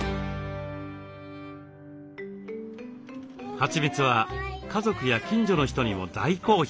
はちみつは家族や近所の人にも大好評。